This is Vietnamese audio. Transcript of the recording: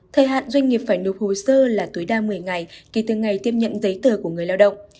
thời hạn doanh nghiệp phải nộp hồ sơ là tối đa một mươi ngày kể từ ngày tiếp nhận giấy tờ của người lao động